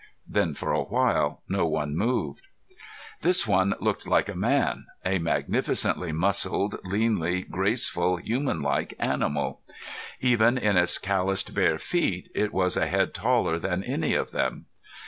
Then for a while no one moved. This one looked like a man, a magnificently muscled, leanly graceful, humanlike animal. Even in its callused bare feet, it was a head taller than any of them.